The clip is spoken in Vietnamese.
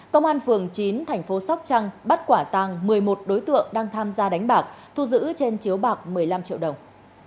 công an phường chín thành phố sóc trăng bắt quả tàng một mươi một đối tượng đang tham gia đánh bạc thu giữ trên chiếu bạc một mươi năm triệu đồng